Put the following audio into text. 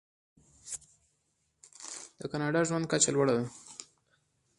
د کاناډا ژوند کچه لوړه ده.